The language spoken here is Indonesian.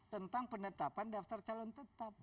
tentang penetapan daftar calon tetap